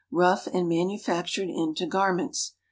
rough and manufactured into garments.